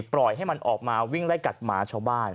ปล่อยให้มันออกมาวิ่งไล่กัดหมาชาวบ้าน